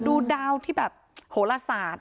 ดูดาวที่แบบโหลศาสตร์